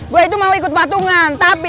gue itu mau ikut patungan tapi